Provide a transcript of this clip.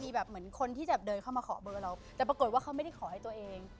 มีแบบเหมือนคนที่จะเดินเข้ามาขอเบอร์เราแต่ปรากฏว่าเขาไม่ได้ขอให้ตัวเอง